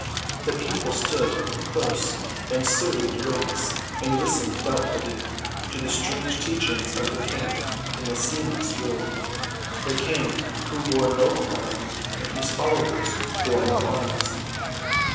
The people stood close in serried ranks and listened doubtfully to the strange teachings of the King in the seamless robe—the King who wore no crown and whose followers bore no arms.